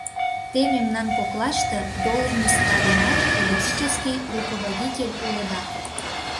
Те мемнан коклаште должностьда денат политический руководитель улыда.